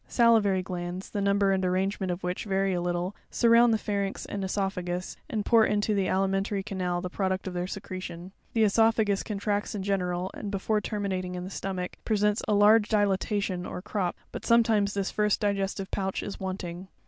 Salivary glands, the number and arrangement of which vary a little, surround the pharynx and cesophagus, and pour into the alimentary canal the product of their secretion. 'The cesopha gus contracts in general, and before terminating in the stomach, presents a large dilatation or crop (jig. 10, 7); but some times, this first e gs jogs digestive pouch is ! wanting.